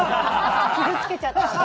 傷つけちゃったんで。